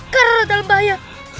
karara dalam bahaya